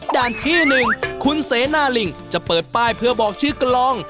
ด้านที่๑คุณเสนาลิงจะเปิดป้ายเพื่อบอกชื่อกลอง